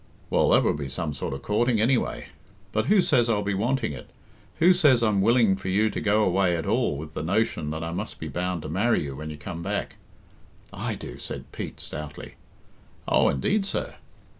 "Well, that will be some sort of courting, anyway. But who says I'll be wanting it? Who says I'm willing for you to go away at all with the notion that I must be bound to marry you when you come back?" "I do," said Pete stoutly. "Oh, indeed, sir."